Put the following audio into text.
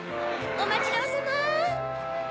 おまちどおさま！